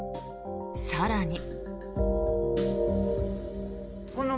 更に。